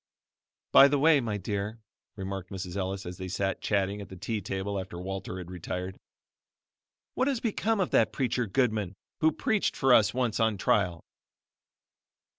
"By the way, my dear," remarked Mrs. Ellis as they sat chatting at the tea table after Walter had retired, "what has become of that preacher Goodman who preached for us once on trial?"